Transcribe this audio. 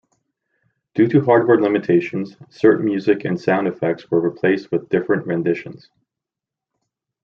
Due to hardware limitations, certain music and sound effects were replaced with different renditions.